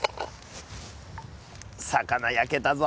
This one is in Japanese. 魚焼けたぞ。